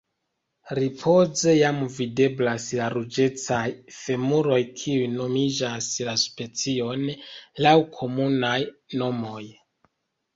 Ripoze jam videblas la ruĝecaj femuroj kiuj nomigas la specion laŭ komunaj nomoj.